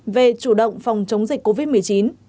về chủ động phòng chống dịch covid một mươi chín